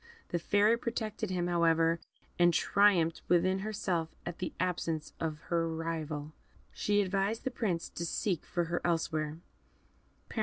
The Fairy protected him, however, and triumphed within herself at the absence of her rival. She advised the Prince to seek for her elsewhere.